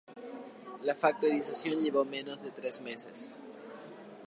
La factorización llevó menos de tres meses.